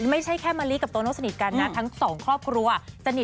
ไม่ใช่แค่มะลิกับโตโน่สนิทกันนะทั้งสองครอบครัวสนิท